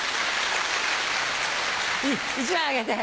１枚あげて。